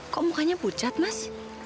kok mukanya pucat mas